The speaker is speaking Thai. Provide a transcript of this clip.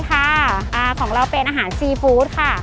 ของเราเป็นอาหารซีฟู้ดค่ะ